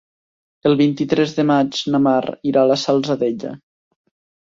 El vint-i-tres de maig na Mar irà a la Salzadella.